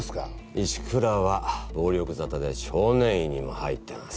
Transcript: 石倉は暴力沙汰で少年院にも入ってます。